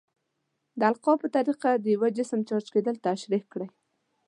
د القاء په طریقه د یو جسم چارج کیدل تشریح کړئ.